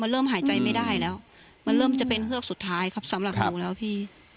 เริ่มหายใจไม่ได้แล้วมันเริ่มจะเป็นเฮือกสุดท้ายครับสำหรับหนูแล้วพี่